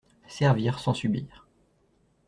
Servir sans subir